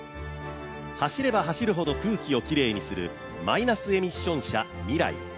走れば走るほど空気をきれいにするマイナスエミッション車ＭＩＲＡＩ